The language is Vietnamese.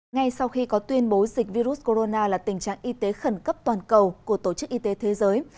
ngay sau khi có tuyên bố dịch virus corona là tình trạng y tế khẩn cấp toàn cầu của tổ chức y tế thế giới